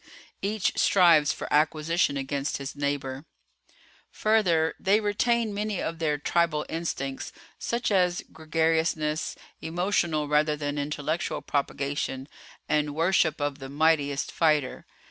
Each strives for acquisition against his neighbor. "Further they retain many of their tribal instincts, such as gregariousness, emotional rather than intellectual propagation, and worship of the mightiest fighter.